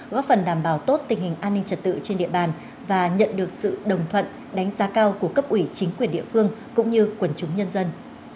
góp phần đảm bảo tốt tình hình an ninh trật tự trên địa bàn và nhận được sự đồng thuận đánh giá cao của cấp ủy chính quyền địa phương cũng như quần chúng nhân dân